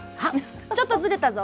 ちょっとずれたぞ。